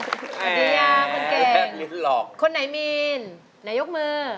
สวัสดีครับคุณแก่งคนไหนมีนคนไหนยกมือ